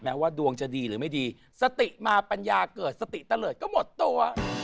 ว่าดวงจะดีหรือไม่ดีสติมาปัญญาเกิดสติเตลิศก็หมดตัว